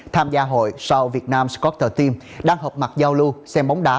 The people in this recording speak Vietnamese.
tham gia hội south vietnam scooter team đang hợp mặt giao lưu xem bóng đá